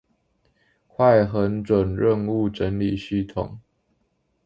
快狠準任務整理系統